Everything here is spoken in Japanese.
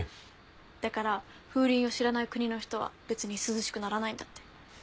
だから風鈴を知らない国の人は別に涼しくならないんだって。